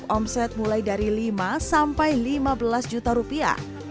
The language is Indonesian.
omset mulai dari lima sampai lima belas juta rupiah